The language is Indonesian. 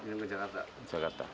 ini ke jakarta